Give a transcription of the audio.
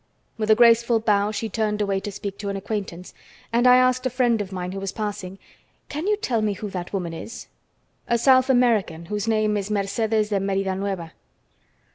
With a graceful bow she turned away to speak to an acquaintance, and I asked a friend of mine who was passing: "Can you tell me who that woman is?" "A South American whose name is Mercedes de Meridanueva."